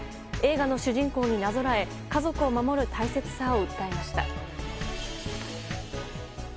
映画の主人公になぞらえ家族を守る大切さを訴えました。